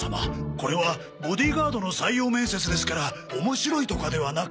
これはボディーガードの採用面接ですから面白いとかではなく。